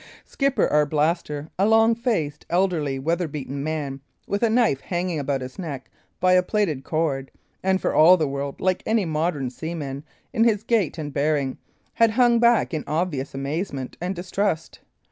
Skipper Arblaster, a long faced, elderly, weather beaten man, with a knife hanging about his neck by a plaited cord, and for all the world like any modern seaman in his gait and bearing, had hung back in obvious amazement and distrust.